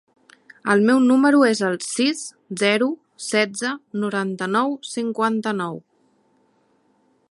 El meu número es el sis, zero, setze, noranta-nou, cinquanta-nou.